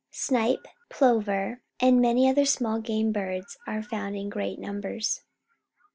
Snipe, plover, and many other small game birds are found in great numbers.